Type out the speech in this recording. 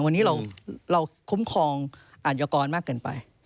วันนี้เราคุ้มครองอาชญกรมากเกินไป